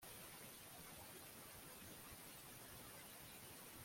uwo wakoranye nawe niyigaragaze